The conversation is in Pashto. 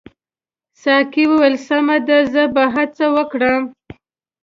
ساقي وویل سمه ده زه به هڅه وکړم.